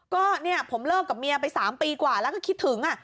ก็เนี่ยผมเลิกกับเมียไป๓ปีกว่าแล้วก็คิดถึง